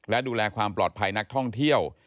และดูแลความปลอดภัยนักท่องเที่ยว